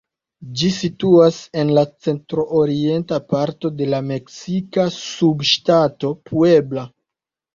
Ĝi situas en la centro-orienta parto de la meksika subŝtato Puebla.